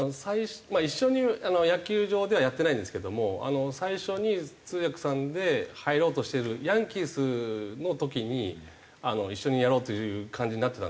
一緒に野球場ではやってないんですけども最初に通訳さんで入ろうとしてるヤンキースの時に一緒にやろうっていう感じになってたんですけど